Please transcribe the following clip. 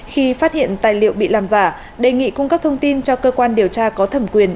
khi phát hiện tài liệu bị làm giả đề nghị cung cấp thông tin cho cơ quan điều tra có thẩm quyền